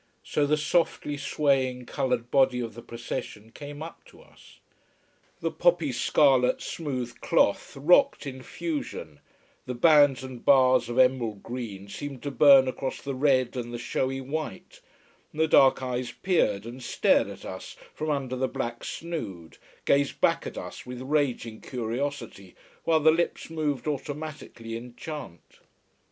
So the softly swaying coloured body of the procession came up to us. The poppy scarlet smooth cloth rocked in fusion, the bands and bars of emerald green seemed to burn across the red and the showy white, the dark eyes peered and stared at us from under the black snood, gazed back at us with raging curiosity, while the lips moved automatically in chant.